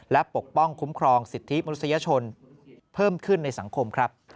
และปกป้องคุ้มครองสิทธิมนุษยชนเพิ่มขึ้นในสังคมครับ